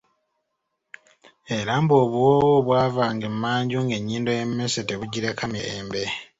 Era mbu obuwoowo obw’ava nga emanju ng'ennyindo y'emmesse tebugireka mirembe!